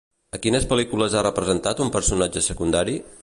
A quines pel·lícules ha representat un personatge secundari?